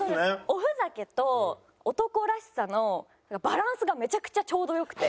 おふざけと男らしさのバランスがめちゃくちゃちょうど良くて。